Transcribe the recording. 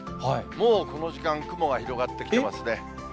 もうこの時間、雲が広がってきてますね。